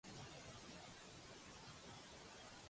Continua amb la reproducció de "Prince Maesa" de Guy Haley.